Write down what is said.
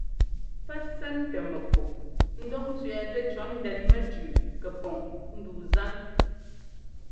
Pɛ́ sɛntɛ mɛku ńdɔk ńtsẅɛ́ɛtɛ cɔ̌ ndɛn mɛtʉʉ kɛpɔŋ ndu zan.